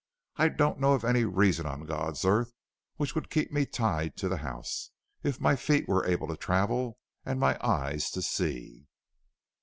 I don't know of any reason on God's earth which would keep me tied to the house, if my feet were able to travel and my eyes to see."